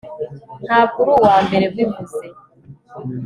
ntabwo uri uwambere ubivuze